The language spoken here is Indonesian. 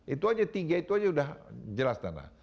itu aja tiga itu aja udah jelas tanah